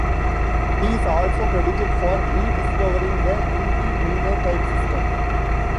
He is also credited for rediscovering the Hindley-Milner type system.